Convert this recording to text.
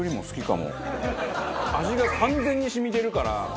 味が完全に染みてるから。